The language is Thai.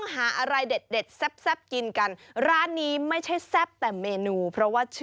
หาอะไรแซ่บกินกันหน่อย